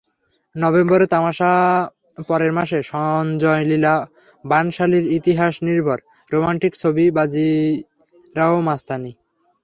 নভেম্বরে তামাশা, পরের মাসে সঞ্জয়লীলা বানশালির ইতিহাসনির্ভর রোমান্টিক ছবি বাজিরাও মাস্তানি।